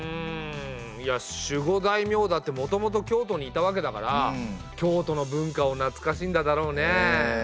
いや守護大名だってもともと京都にいたわけだから京都の文化をなつかしんだだろうね。